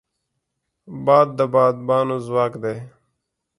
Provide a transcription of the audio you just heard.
باد د بادبانو ځواک دی